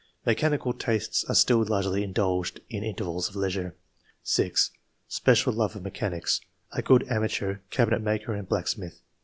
Mechanical tastes are still largely indulged in intervals of leisure.'' 6. "Special love of mechanics; a good amateur cabinet maker and blacksmith.